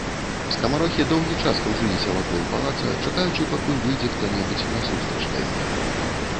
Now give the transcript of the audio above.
Скамарохі доўгі час кружыліся вакол палаца, чакаючы, пакуль выйдзе хто-небудзь насустрач да іх.